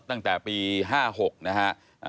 ตั้งแต่ปี๕๖นะฮะ